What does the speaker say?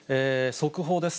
速報です。